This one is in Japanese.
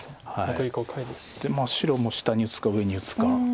で白も下に打つか上に打つか。